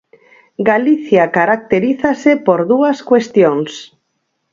Galicia caracterízase por dúas cuestións.